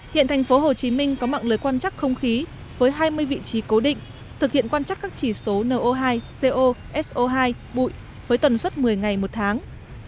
hiện thành phố hồ chí minh có mạng lưới quan chắc không khí với hai mươi vị trí cố định thực hiện quan chắc các chỉ số no hai co so hai bụi với tuần suất một mươi ngày một tháng